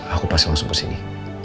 aku pasti langsung ke sini